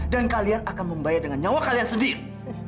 dan kalian akan membayar dengan nyawa kalian sendiri